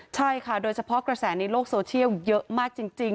ใช่ค่ะโดยเฉพาะกระแสในโลกโซเชียลเยอะมากจริง